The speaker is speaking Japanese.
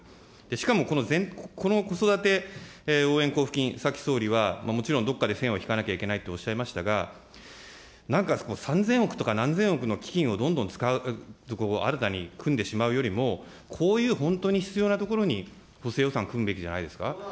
しかも、この子育て応援交付金、さっき総理は、もちろんどこかで線を引かなきゃいけないとおっしゃいましたが、なんか３０００億とか、何千億の基金を新たに使う、新たに組んでしまうよりも、こういう本当に必要なところに補正予算を組むべきじゃないですか。